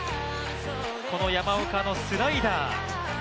この山岡のスライダー。